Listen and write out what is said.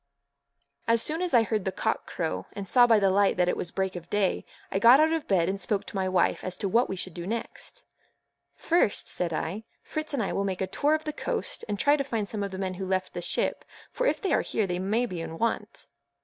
As soon as I heard the cock crow, and saw by the light that it was break of day, I got out of bed and spoke to my wife as to what we should do next. "First," said I, "Fritz and I will make a tour of the coast and try to find some of the men who left the ship, for if they are here they may be in want."